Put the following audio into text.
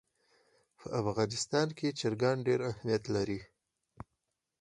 په افغانستان کې چرګان ډېر اهمیت لري.